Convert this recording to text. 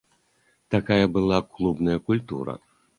Такая была клубная культура.